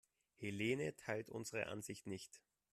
Helene teilt unsere Ansicht nicht.